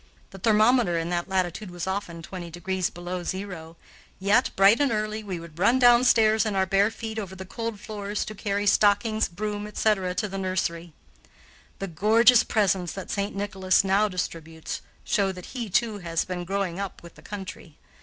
The thermometer in that latitude was often twenty degrees below zero, yet, bright and early, we would run downstairs in our bare feet over the cold floors to carry stockings, broom, etc., to the nursery. The gorgeous presents that St. Nicholas now distributes show that he, too, has been growing up with the country.